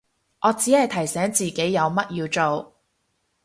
我只係提醒自己有乜要做